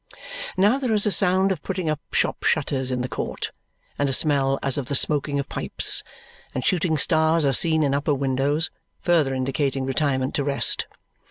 Now there is a sound of putting up shop shutters in the court and a smell as of the smoking of pipes; and shooting stars are seen in upper windows, further indicating retirement to rest.